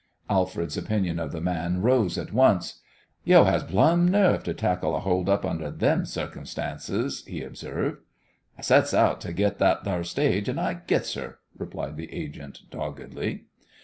Alfred's opinion of the man rose at once. "Yo' has plumb nerve to tackle a hold up under them circumstances," he observed. "I sets out to git that thar stage; and I gits her," replied the agent, doggedly.